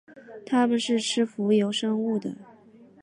它们是吃浮游生物的。